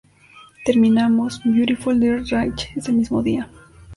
Terminamos "Beautiful, Dirty, Rich" ese mismo día.